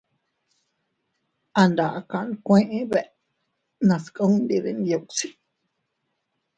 An daaka nkuee bee nascundi dinyuusi.